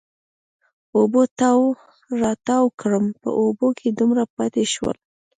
اوبو تاو را تاو کړم، په اوبو کې دومره پاتې شوم.